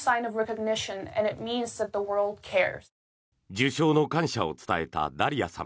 受賞の感謝を伝えたダリヤさん。